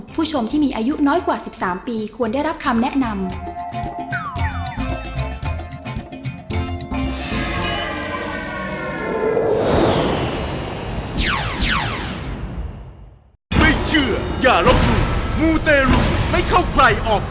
ผู้ชมที่มีอายุน้อยกว่า๑๓ปีควรได้รับคำแนะนำ